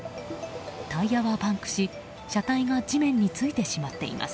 タイヤはパンクし、車体が地面についてしまっています。